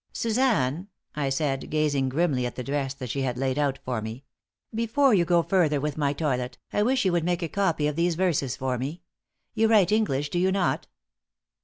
"Suzanne," I said, gazing grimly at the dress that she had laid out for me, "before you go further with my toilet, I wish you would make a copy of these verses for me. You write English, do you not?"